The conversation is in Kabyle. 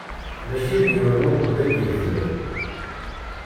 Mačči d yiwen wugur i d-yebder.